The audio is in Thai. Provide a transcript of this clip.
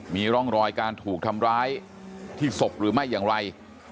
มีร่องรอยการถูกทำร้ายที่ศพหรือไม่อย่างไร